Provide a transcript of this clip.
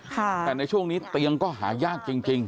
แต่ในช่วงนี้เตียงก็หายากจริง